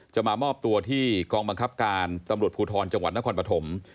จะมามอบตัวที่กองบังคับการตำรวจภูทรจังหวัดนครปฐม